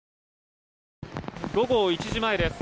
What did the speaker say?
午後１時前です。